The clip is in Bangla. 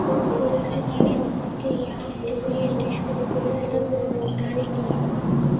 শুনেছি তার সম্পর্কে ইয়াহ তিনি এটি শুরু করেছিলেন রোটারি ক্লাব?